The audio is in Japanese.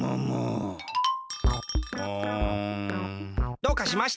どうかしました？